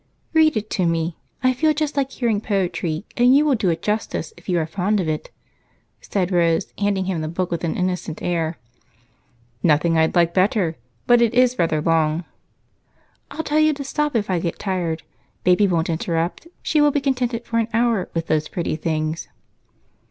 "Read it to me. I feel just like hearing poetry, and you will do it justice if you are fond of it," said Rose, handing him the book with an innocent air. "Nothing I'd like better, but it is rather long." "I'll tell you to stop if I get tired. Baby won't interrupt; she will be contented for an hour with those pretty things."